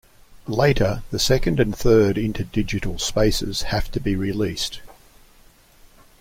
Later the second and third interdigital spaces have to be released.